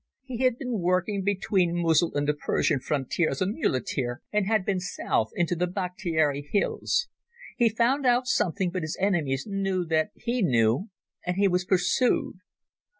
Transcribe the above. He had been working between Mosul and the Persian frontier as a muleteer, and had been south into the Bakhtiari hills. He found out something, but his enemies knew that he knew and he was pursued.